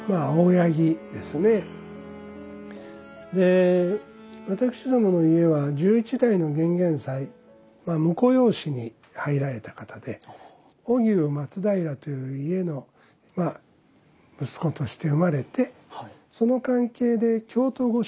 で私どもの家は十一代の玄々斎まあ婿養子に入られた方で大給松平という家のまあ息子として生まれてその関係で京都御所。